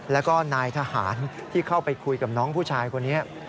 แล้วก็นายทหารที่เข้าไปคุยกับน้องผู้ชายคนนี้